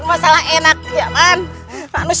ini masalah enak ya man